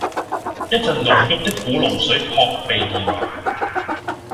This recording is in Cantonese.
一陣濃郁的古龍水撲鼻而來